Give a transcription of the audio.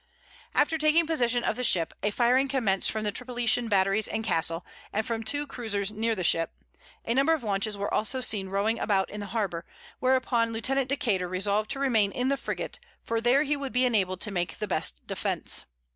After taking possession of the ship, a firing commenced from the Tripolitan batteries and castle, and from two cruisers near the ship; a number of launches were also seen rowing about in the harbor; whereupon Lieutenant Decater resolved to remain in the frigate, for there he would be enabled to make the best defence.